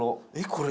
これ。